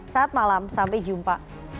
saat malam sampai jumpa